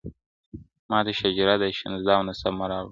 ماته شجره یې د نژاد او نصب مه راوړئ,